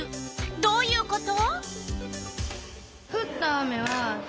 どういうこと？